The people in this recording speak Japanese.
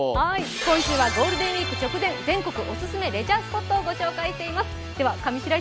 今週はゴールデンウイーク直前、全国おすすめレジャースポットを紹介しています。